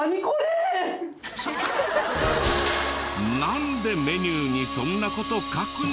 なんでメニューにそんな事書くの？